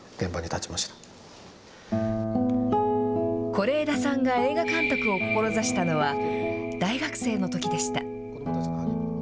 是枝さんが映画監督を志したのは、大学生のときでした。